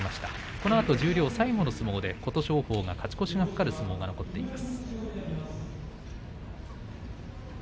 このあと十両最後の相撲で琴勝峰勝ち越しが懸かる相撲が残っています。